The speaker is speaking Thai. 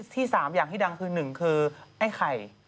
ที่๓อย่างที่ดังคือ๑คือไอ้ไข่